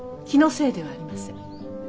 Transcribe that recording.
気のせいではありません。